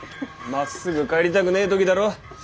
まっすぐ帰りたくねえ時だろ